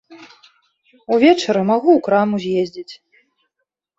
Увечары магу ў краму з'ездзіць.